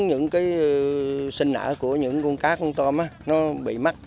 những cái sinh nở của những con cá con tôm nó bị mắc